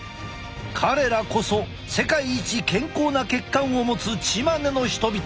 彼らこそ世界一健康な血管を持つチマネの人々。